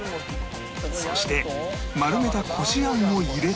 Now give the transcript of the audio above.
そして丸めたこしあんを入れて